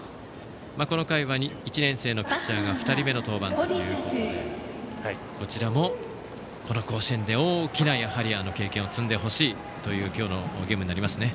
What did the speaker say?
この回は１年生のピッチャーが２人目の登板ということでこちらも甲子園で大きな経験を積んでほしいという今日のゲームになりますね。